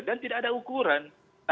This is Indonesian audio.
dan tidak ada ukuran